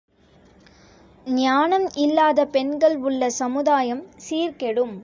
ஞானம் இல்லாதபெண்கள் உள்ள சமுதாயம் சீர்கெடும்.